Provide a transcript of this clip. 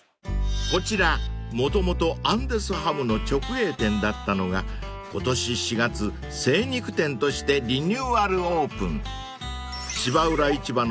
［こちらもともとアンデスハムの直営店だったのが今年４月精肉店としてリニューアルオープン］